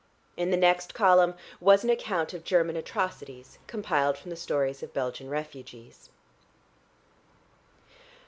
In the next column was an account of German atrocities compiled from the stories of Belgian refugees.